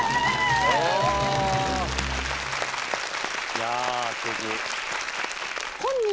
・いやすてき。